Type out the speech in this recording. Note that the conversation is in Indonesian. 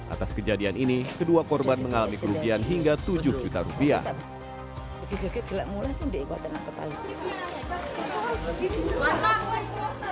atas kejadian ini kedua korban mengalami kerugian hingga tujuh juta rupiah